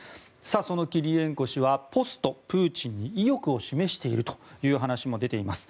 そのキリエンコ氏はポストプーチン氏後継者に意欲を示しているといいます。